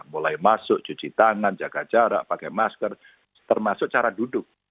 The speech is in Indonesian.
mulai masuk cuci tangan jaga jarak pakai masker termasuk cara duduk